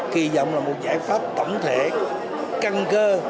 kỳ dọng là một giải pháp tổng thể căng cơ